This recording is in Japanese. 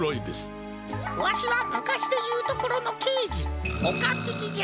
わしはむかしでいうところのけいじおかっぴきじゃ！